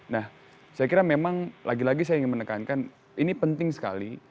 nah saya kira memang lagi lagi saya ingin menekankan ini penting sekali